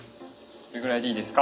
これぐらいでいいですか？